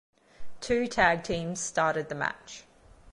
Two tag teams started the match.